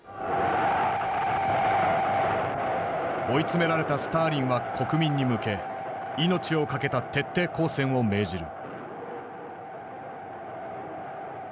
追い詰められたスターリンは国民に向け命を懸けた徹底抗戦を命じる。